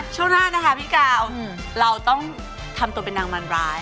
ช่วงหน้านะคะพี่กาวเราต้องทำตัวเป็นนางมันร้าย